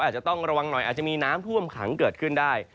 อาจจะต้องระวังหน่อยอาจจะมีน้ำท่วมขังเกิดขึ้นได้